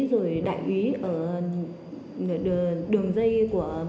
rồi đại úy ở đường dây của thái nguyên